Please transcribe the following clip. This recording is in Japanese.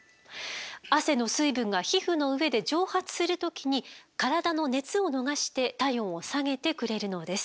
汗の水分が皮膚の上で蒸発する時に体の熱を逃して体温を下げてくれるのです。